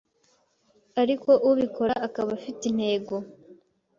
ariko ubikora akaba afite intego